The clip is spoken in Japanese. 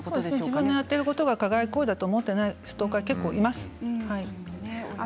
自分がやっていることは加害行為と思っていないストーカーは結構います。